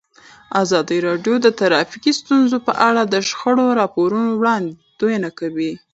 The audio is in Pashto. ازادي راډیو د ټرافیکي ستونزې په اړه د شخړو راپورونه وړاندې کړي.